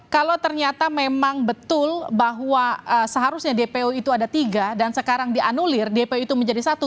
kalau ternyata memang betul bahwa seharusnya dpo itu ada tiga dan sekarang dianulir dpo itu menjadi satu